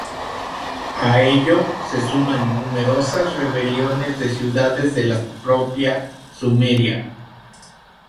A ello se sumaron numerosas rebeliones de ciudades de la propia Sumeria.